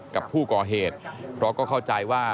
กับผู้ก่อเหตุเพราะก็เข้าใจว่า